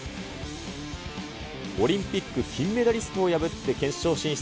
オリンピック金メダリストを破って決勝進出。